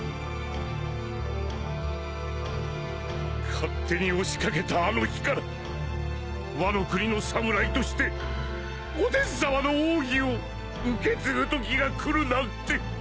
勝手に押し掛けたあの日からワノ国の侍としておでんさまの奥義を受け継ぐときが来るなんて！